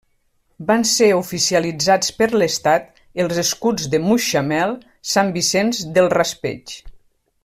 Van ser oficialitzats per l'Estat els escuts de Mutxamel, Sant Vicent del Raspeig.